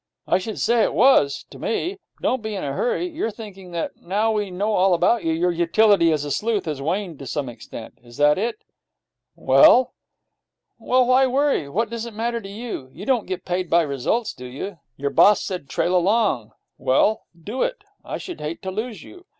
'I should say it was to me. Don't be in a hurry. You're thinking that, now we know all about you, your utility as a sleuth has waned to some extent. Is that it?' 'Well?' 'Well, why worry? What does it matter to you? You don't get paid by results, do you? Your boss said "Trail along." Well, do it, then. I should hate to lose you.